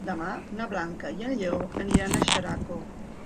Demà na Blanca i en Lleó aniran a Xeraco.